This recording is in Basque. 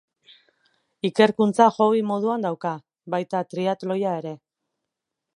Ikerkuntza hobby moduan dauka, baita triatloia ere.